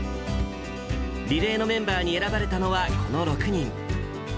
リレーのメンバーに選ばれたのは、この６人。